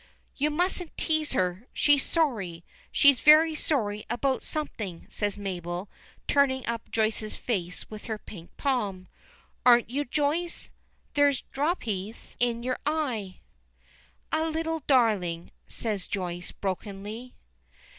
"You mustn't tease her, she's sorry. She's very sorry about something," says Mabel, turning up Joyce's face with her pink palm. "Aren't you, Joyce? There's droppies in your eyes?" "A little, darling," says Joyce, brokenly.